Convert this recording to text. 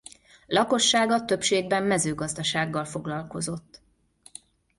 Lakossága többségben mezőgazdasággal foglalkozott.